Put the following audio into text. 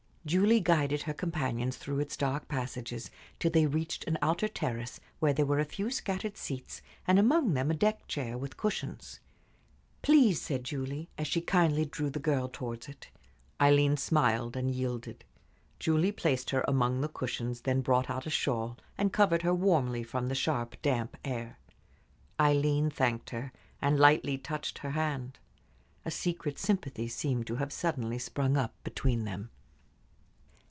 Julie guided her companions through its dark passages, till they reached an outer terrace where there were a few scattered seats, and among them a deck chair with cushions. "Please," said Julie, as she kindly drew the girl towards it. Aileen smiled and yielded. Julie placed her among the cushions, then brought out a shawl, and covered her warmly from the sharp, damp air. Aileen thanked her, and lightly touched her hand. A secret sympathy seemed to have suddenly sprung up between them.